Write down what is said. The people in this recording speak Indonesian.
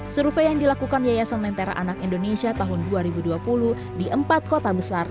survei yang dilakukan yayasan lentera anak indonesia tahun dua ribu dua puluh di empat kota besar